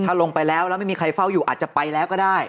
ถ้าลงไปแล้วแล้วไม่มีใครเฝ้าอยู่อาจจะไปแล้วก็ได้